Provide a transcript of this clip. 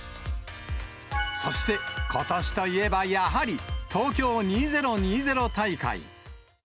そして、ことしといえばやはり、東京２０２０大会。